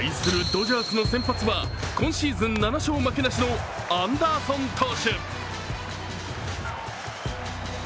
ドジャースの先発は今シーズン７勝負けなしのアンダーソン投手。